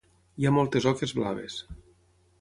Hi ha moltes oques blaves.